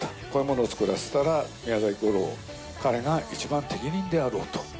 こういうものを作らせたら、宮崎吾朗、彼が一番適任であろうと。